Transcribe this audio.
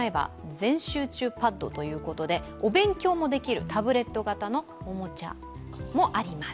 全集中パッドということでお勉強もできるタブレット型のおもちゃもあります。